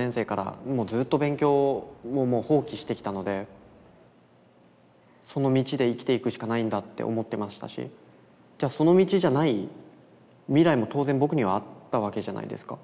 僕も当然その道で生きていくしかないんだって思ってましたしその道じゃない未来も当然僕にはあったわけじゃないですか。